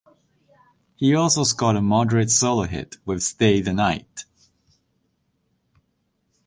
He also scored a moderate solo hit with Stay the Night.